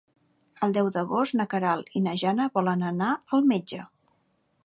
El deu d'agost na Queralt i na Jana volen anar al metge.